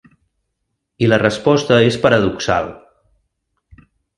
I la resposta és paradoxal.